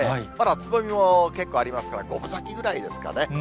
まだつぼみも結構ありますから、５分咲きぐらいですかね。